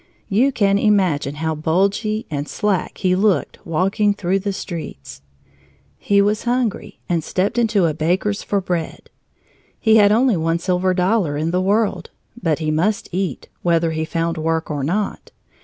You can imagine how bulgy and slack he looked walking through the streets! He was hungry and stepped into a baker's for bread. He had only one silver dollar in the world. But he must eat, whether he found work or not.